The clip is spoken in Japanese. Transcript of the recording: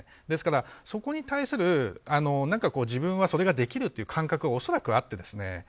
ですから、そこに対する自分はそれができるという感覚は恐らくあって。